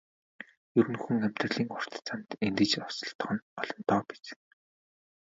Ер нь хүн амьдралын урт замд эндэж осолдох нь олонтоо биз.